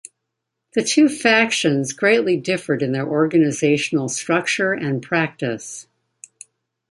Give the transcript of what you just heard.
The two factions greatly differed in their organizational structure and practice.